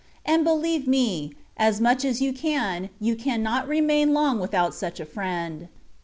And beUeve me, as much as you can, you cannot remain long without such a friend.